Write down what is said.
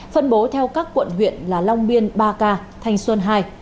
phân bố theo các quận huyện là long biên ba k thanh xuân hai